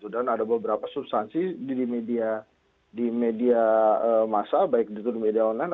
dan ada beberapa substansi di media di media massa baik itu di media online